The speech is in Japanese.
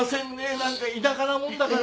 何か田舎なもんだから